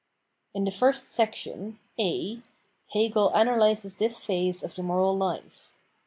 In the first section {a) Hegel analyses this phase of the moral life.